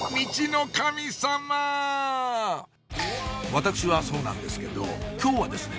私はそうなんですけど今日はですね